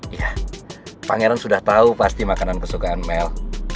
iya pangeran sudah tau pasti makanan kesukaan mel